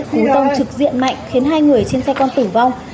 cú tông trực diện mạnh khiến hai người trên xe con tử vong